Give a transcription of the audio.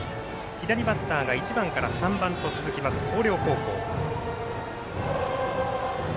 左バッターが１番から３番と続く広陵高校。